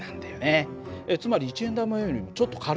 つまり一円玉よりもちょっと軽い。